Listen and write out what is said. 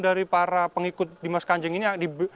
dari para pengikut di mas kanjeng ini